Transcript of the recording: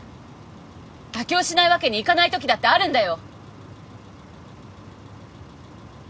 妥協しないわけにいかないときだってあるんだよ。